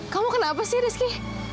kamu kenapa sih rizky